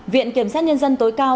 viện kiểm sát nhân dân tối cao